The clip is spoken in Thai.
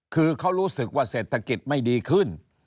คือเขารู้สึกว่าเศรษฐกิจไม่ดีขึ้น